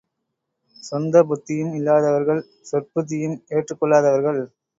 சொந்த புத்தியும் இல்லாதவர்கள், சொற்புத்தியும் ஏற்றுக்கொள்ளாதவர்கள்.